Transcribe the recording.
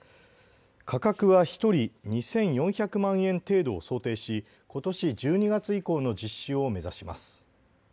価格は１人２４００万円程度を想定し、ことし１２月以降の実施を目指します。